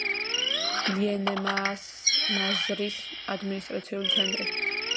ლიაენემაას მაზრის ადმინისტრაციული ცენტრი.